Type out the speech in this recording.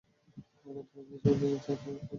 তোমাকে মেনে নিতে তাকে বাধ্য করবো, ঠিক আছে?